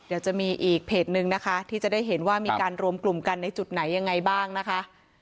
เดี๋ยวจะมีอีกเพจนึงนะคะที่จะได้เห็นว่ามีการรวมกลุ่มกันในจุดไหนยังไงบ้างนะคะ